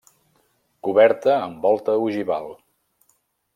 Coberta amb volta ogival.